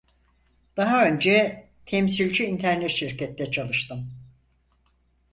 Daha önce. Temsilci internet şirkette çalıştım.